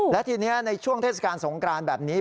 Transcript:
และทีนี้ในช่วงเทศกาลสงกรานแบบนี้